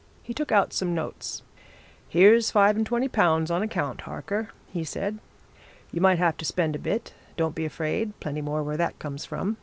He took out some notes. 'Here's five and twenty pounds on account, Harker,' he said. 'You might have to spend a bit. Don't be afraid plenty more where that comes from.